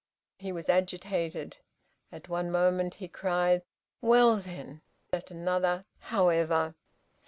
He was agitated. At one moment he cried, "Well, then!" at another, "However!"